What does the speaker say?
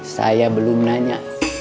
saya belum nanya